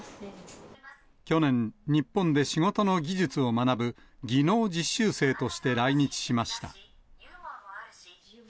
去年、日本で仕事の技術を学ぶ技能実習生として来日しました。